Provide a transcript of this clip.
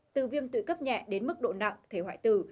từ viêm tụy cấp nhẹ đến mức độ nặng thể hoại tử